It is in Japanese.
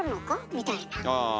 みたいな。